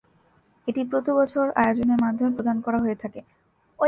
এটি প্রতি বছর আয়োজনের মাধ্যমে প্রদান করা হয়ে থাকে।